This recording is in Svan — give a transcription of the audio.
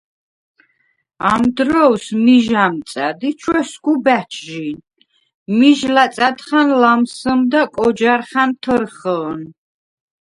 ამ დვრო̈ვს მიჟ ა̈მწა̈დ ი ჩვესგუ ბა̈ჩჟი. მიჟ ლაწა̈დხა̈ნ ლამსჷმდა კოჯა̈რხა̈ნ თჷრხჷნ;